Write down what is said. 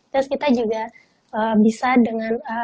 terus kita juga bisa dengan